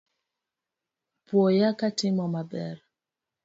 Puoya katimo maber